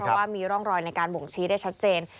เพราะว่ามีร่องรอยในการบ่งชี้ได้ชัดเจน